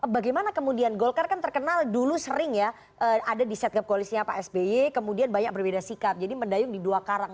bagaimana kemudian golkar kan terkenal dulu sering ya ada di setgap koalisnya pak sby kemudian banyak berbeda sikap jadi mendayung di dua karang